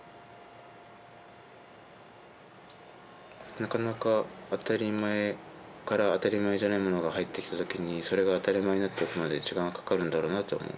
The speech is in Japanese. なかなか「当たり前」から「当たり前じゃないもの」が入ってきた時にそれが「当たり前」になっていくまで時間がかかるんだろうなって思う。